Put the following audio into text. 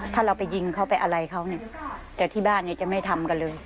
ถ้าเราไปยิงเขาไปอะไรเขาเนี่ยแต่ที่บ้านเนี่ยจะไม่ทำกันเลย